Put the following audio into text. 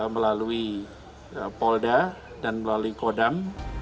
melalui polda dan melalui kodam